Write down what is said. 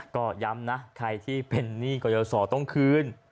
ก็ย้ำนะใครที่เป็นหนี้กรยาศรต้องคืน